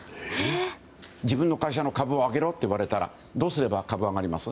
自分の会社の株を上げろって言われたらどうすれば株は上がります？